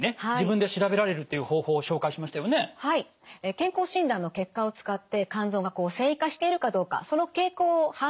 健康診断の結果を使って肝臓が線維化しているかどうかその傾向を把握することができる